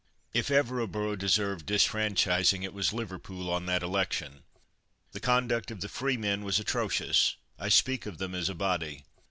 If ever a borough deserved disfranchising, it was Liverpool on that election. The conduct of the freemen was atrocious. I speak of them as a body.